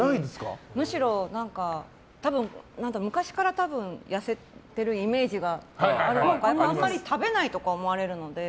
むしろ、多分、昔から痩せてるイメージがあるのかあんまり食べないとか思われるので。